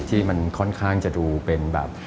ที่มันค่อนข้างจะดูเป็นแบบ